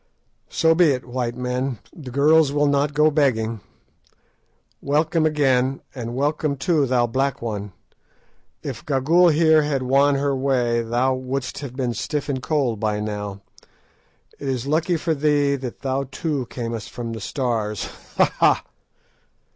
So be it, white men; the girls will not go begging! Welcome again; and welcome, too, thou black one; if Gagool here had won her way, thou wouldst have been stiff and cold by now. It is lucky for thee that thou too camest from the Stars; ha! ha!"